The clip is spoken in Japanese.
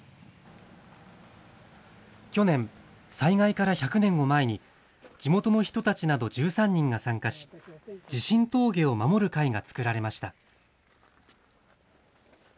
去年、災害から１００年を前に地元の人たちなど１３人が参加し地震峠を守る会が作られました。